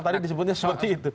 tadi disebutnya seperti itu